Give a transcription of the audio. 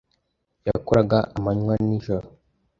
Yakoraga amanywa n’ijoro